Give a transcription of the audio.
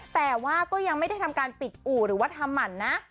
แต่ว่าก็ยังไม่ได้ทำการปิดอู่หรือว่าทำหมั่นนะ